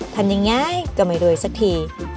ทำอย่างง่ายก็ไม่โดยสักที